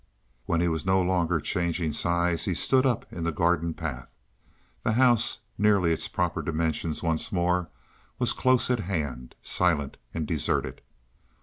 When he was no longer changing size he stood up in the garden path. The house, nearly its proper dimensions once more, was close at hand, silent and deserted.